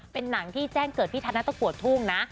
เป็นหนังที่แจ้งเกิดพี่ธนตะกัวทุ่งนะ